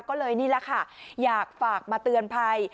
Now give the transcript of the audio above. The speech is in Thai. ก็เลยนี่แหละค่ะอยากฝากมาเตือนภัย